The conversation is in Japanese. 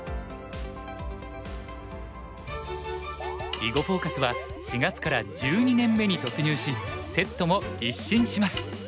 「囲碁フォーカス」は４月から１２年目に突入しセットも一新します。